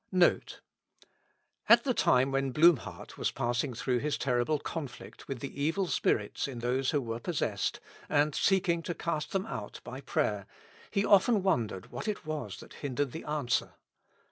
NOTE. At the time when Blumhardt was passing through his terrible conflict with the evil spirits in those who io8 With Christ in the School of Prayer. were possessed, and seeking to cast them out by prayer, he often wondered what it was that hindered the answer.